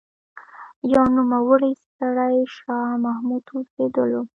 يو نوموړی سړی شاه محمد اوسېدلو